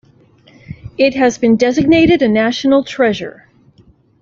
It has been designated a National Treasure.